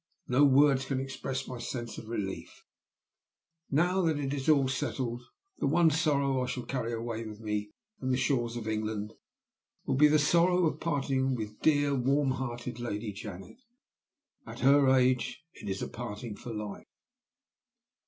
No words can express my sense of relief, now that it is all settled. The one sorrow I shall carry away with me from the shores of England will be the sorrow of parting with dear, warm hearted Lady Janet. At her age it is a parting for life.